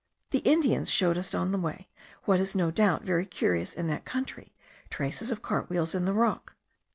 The Indians showed us on the way, what is no doubt very curious in that country, traces of cartwheels in the rock.